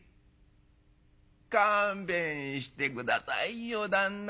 「勘弁して下さいよ旦那。